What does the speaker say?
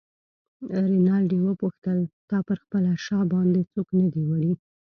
رینالډي وپوښتل: تا پر خپله شا باندې څوک نه دی وړی؟